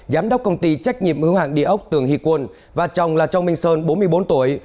giám đốc công ty trách nhiệm ưu hạng địa ốc tường hị quân và chồng là trong minh sơn bốn mươi bốn tuổi